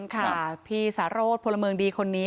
ค่ะพี่สารโรธพลเมืองดีคนนี้